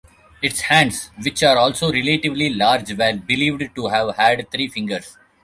Its hands, which are also relatively large were believed to have had three fingers.